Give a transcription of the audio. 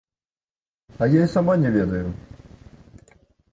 А я і сама не ведаю.